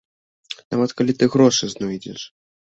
Нават калі ты грошы знойдзеш.